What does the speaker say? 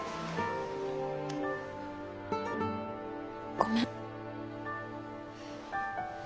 ごめん。